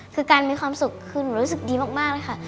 คือการมีความสุขคือหนูรู้สึกดีมากเลยค่ะ